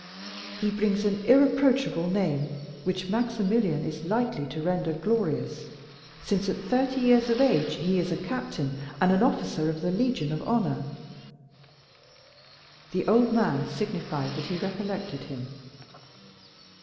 "He brings an irreproachable name, which Maximilian is likely to render glorious, since at thirty years of age he is a captain, an officer of the Legion of Honor." The old man signified that he recollected him.